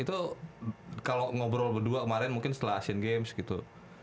itu kalau ngobrol berdua kemarin mungkin setelah asin games gitu